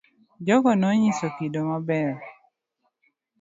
Jogo no nyiso kido ma ber.